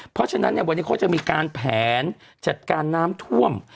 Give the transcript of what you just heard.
เพราะฉะนั้นเนี่ยวันนี้เขาจะมีการแผนจัดการน้ำท่วม